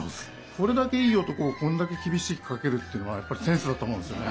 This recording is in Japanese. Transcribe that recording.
これだけいい男をこんだけきびしくかけるっていうのはやっぱりセンスだとおもうんですよね。